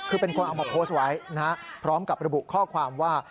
คือเป็นคนเอามาโพสต์ไว้นะฮะพร้อมกับระบุข้อความว่า